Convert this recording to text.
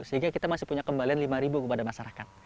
sehingga kita masih punya kembalian lima kepada masyarakat